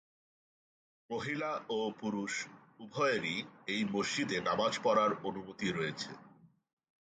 মহিলা ও পুরুষ উভয়েরই এই মসজিদে নামাজ পড়ার অনুমতি রয়েছে।